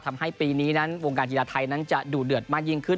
ทำให้ปีนี้นั้นวงการกีฬาไทยนั้นจะดูเดือดมากยิ่งขึ้น